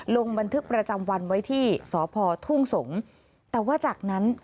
ลงบันทึกประจำวันไว้ที่สพทุ่งสงศ์แต่ว่าจากนั้น